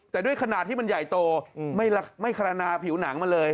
แต่ด้วยขนาดที่มันใหญ่โตไม่คารณาผิวหนังมันเลย